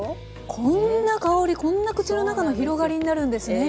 こんな香りこんな口の中の広がりになるんですね